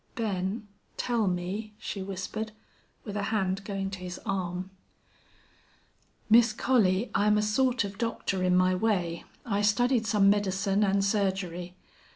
"Ben, tell me," she whispered, with a hand going to his arm. "Miss Collie, I'm a sort of doctor in my way. I studied some medicine an' surgery.